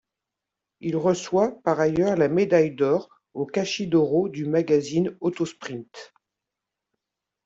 Il reçoit par ailleurs la Médaille d'Or aux Caschi d'Oro du magazine Autosprint.